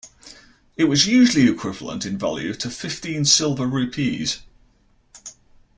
It was usually equivalent in value to fifteen silver rupees.